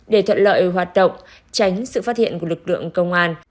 để thuận lợi hoạt động tránh sự phát hiện của lực lượng công an